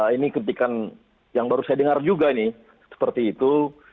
ini kritikan yang baru saya dengar juga ini seperti itu